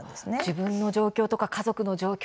自分の状況とか家族の状況